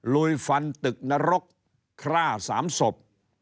รวยฝันตึกนรกคร่า๓ศพ